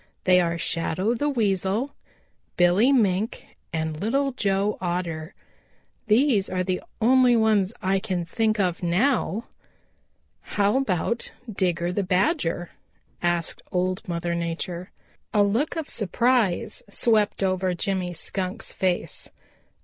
They are Shadow the Weasel, Billy Mink and Little Joe Otter. These are the only ones I can think of now." "How about Digger the Badger?" asked Old Mother Nature. A look of surprise swept over Jimmy Skunk's face.